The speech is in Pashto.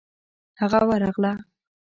هغه ورغله.